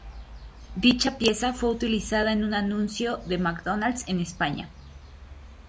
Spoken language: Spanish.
Dicha pieza fue utilizada en un anuncio de McDonalds en España.